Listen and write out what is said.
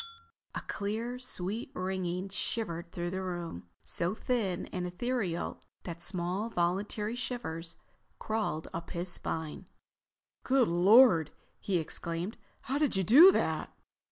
A clear, sweet ringing shivered through the room—so thin and etherial that small involuntary shivers crawled up his spine. "Good Lord!" he exclaimed. "How did you do that?"